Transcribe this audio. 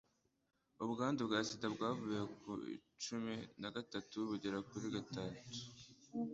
ubwandu bwa sida bwavuye kuri cumin a gatatu bugera kuri gatatu